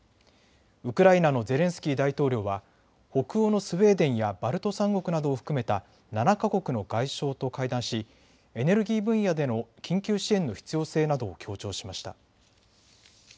ウクライナのゼレンスキー大統領は北欧のスウェーデンやバルト３国などを含めた７か国の外相と会談しエネルギー分野での緊急支援の必要性などを強調しました。